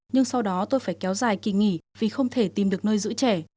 nhưng sau đó tôi phải kéo dài kỳ nghỉ vì không thể tìm được nơi giữ trẻ